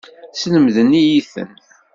Slemden-iyi-ten.